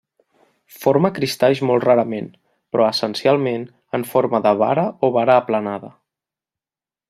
Forma cristalls molt rarament, però essencialment en forma de vara o vara aplanada.